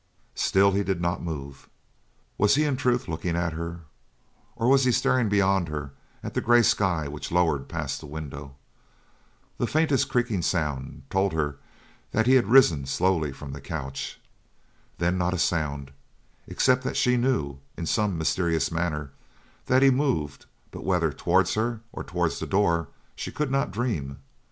Still he did not move. Was he in truth looking at her, or was he staring beyond her at the grey sky which lowered past the window? The faintest creaking sound told her that he had risen, slowly, from the crouch. Then not a sound, except that she knew, in some mysterious manner, that he moved, but whether towards her or towards the door she could not dream.